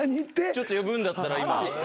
ちょっと呼ぶんだったら今。